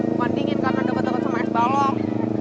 bukan dingin karena deket deket sama esbalok